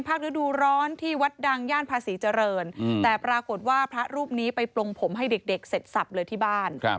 ฤดูร้อนที่วัดดังย่านภาษีเจริญแต่ปรากฏว่าพระรูปนี้ไปปลงผมให้เด็กเสร็จสับเลยที่บ้าน